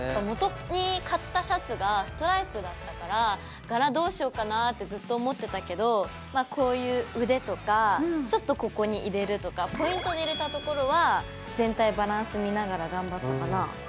もとに買ったシャツがストライプだったからがらどうしようかなってずっと思ってたけどこういう腕とかちょっとここに入れるとかポイントで入れたところは全体バランス見ながら頑張ったかな。